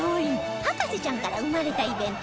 『博士ちゃん』から生まれたイベント